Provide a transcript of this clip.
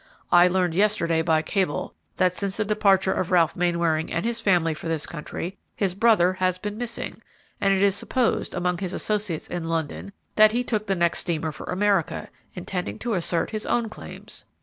I learned yesterday, by cable, that since the departure of Ralph Mainwaring and his family for this country, his brother has been missing, and it is supposed, among his associates in London, that he took the next steamer for America, intending to assert his own claims."